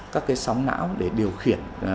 các cái sóng não để điều khiển